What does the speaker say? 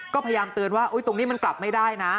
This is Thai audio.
ก็พยายามเตือนว่าตรงนี้มันกลับไม่ได้นะ